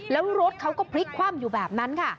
แล้วรถเขาก็พลิกคว่ำอยู่แบบนั้นค่ะ